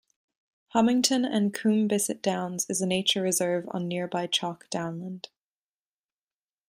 Homington and Coombe Bissett Downs is a nature reserve on nearby chalk downland.